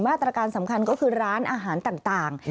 มาตรการสำคัญก็คือร้านอาหารต่าง